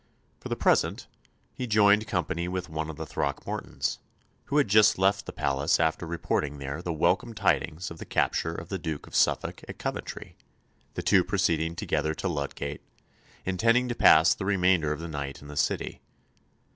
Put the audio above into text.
For the present, he joined company with one of the Throckmortons, who had just left the palace after reporting there the welcome tidings of the capture of the Duke of Suffolk at Coventry, the two proceeding together to Ludgate, intending to pass the remainder of the night in the City.